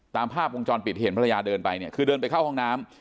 ตามภาพวงจรปิดที่เห็นภรรยาเดินไปเนี่ยคือเดินไปเข้าห้องน้ำ